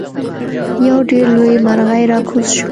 یو ډیر لوی مرغۍ راکوز شو.